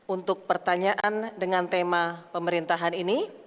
untuk pertanyaan dengan tema pemerintahan ini